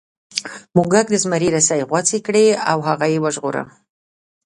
موږک د زمري رسۍ غوڅې کړې او هغه یې وژغوره.